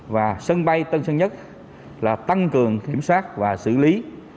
và sân bay tân sơn nhất là tăng cường kiểm soát và xử lý